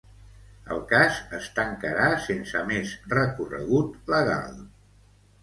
El cas es tancarà sense més recorregut legal.